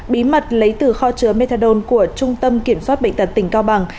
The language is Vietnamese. bí mật lấy từ kho chứa methadone của trung tâm kiểm soát bệnh tật tỉnh cao bằng